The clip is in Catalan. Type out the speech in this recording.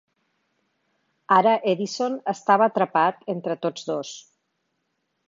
Ara Edison estava atrapat entre tots dos.